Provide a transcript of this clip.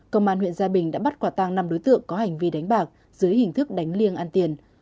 công an huyện gia bình đã bắt quả tăng năm đối tượng có hành vi đánh bạc dưới hình thức đánh liêng an tiền